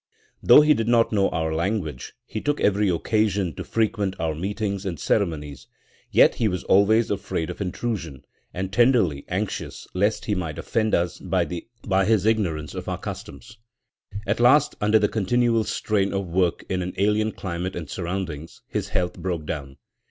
Though he did not know our language, he took every occasion to frequent our meetings and ceremonies; yet he was always afraid of intrusion, and tenderly anxious lest he might offend us by his ignorance of our customs. At last, under the continual strain of work in an alien climate and surroundings, his health broke down.